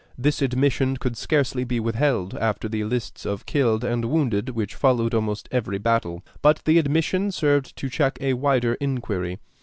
This admission could scarcely be withheld after the lists of killed and wounded which followed almost every battle; but the admission served to check a wider inquiry.